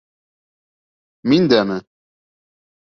— Мин дәме?